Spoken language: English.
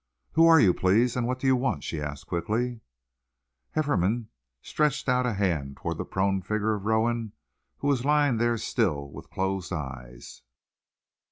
"Who are you, please, and what do you want?" she asked quickly. Hefferom stretched out a hand toward the prone figure of Rowan, who was lying there still with closed eyes.